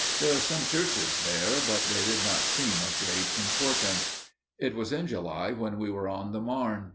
There are some churches there, but they did not seem of great importance. It was in July when we were on the Marne.